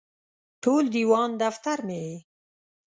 ټول دیوان دفتر مې یې